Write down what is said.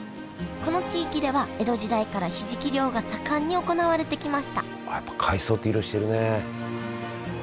この地域では江戸時代からひじき漁が盛んに行われてきましたああやっぱ海藻って色してるね。